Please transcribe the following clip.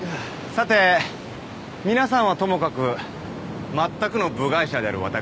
さて皆さんはともかく全くの部外者である私